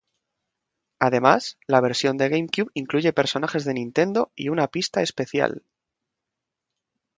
Además, la versión de GameCube incluye personajes de Nintendo y una pista especial.